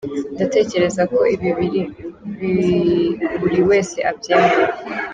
Ndatekereza ko ibi buri wese abyemera.